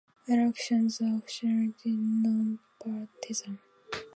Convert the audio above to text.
Elections are officially nonpartisan.